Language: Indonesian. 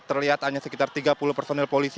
terlihat hanya sekitar tiga puluh personil polisi